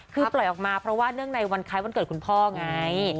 คือปล่อยออกมาเพราะว่าเนื่องในวันคล้ายวันเกิดคุณพ่อไง